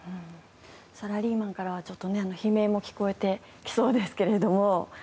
サラリーマンからはちょっと悲鳴も聞こえてきそうですけれども。